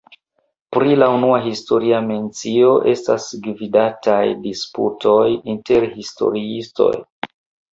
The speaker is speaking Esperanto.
Pri la unua historia mencio estas gvidataj disputoj inter historiistoj.